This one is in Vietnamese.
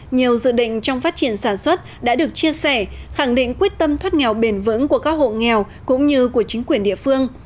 nhiều dự định trong phát triển sản xuất đã được chia sẻ khẳng định quyết tâm thoát nghèo bền vững của các hộ nghèo cũng như của chính quyền địa phương